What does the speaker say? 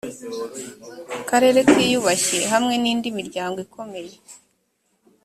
karere kiyubashye hamwe n indi miryango ikomeye